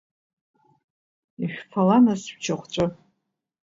Ишәфала нас шәчахәҵәы.